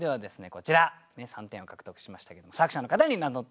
こちら３点を獲得しましたけども作者の方に名乗って頂きたいと思います。